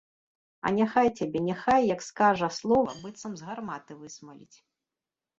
А няхай цябе, няхай, як скажа слова, быццам з гарматы высмаліць.